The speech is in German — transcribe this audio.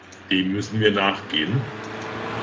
Dem müssen wir nachgehen.